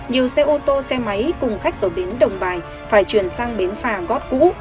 nhiều xe ô tô xe máy cùng khách ở bến đồng bài phải chuyển sang bến phà gót cũ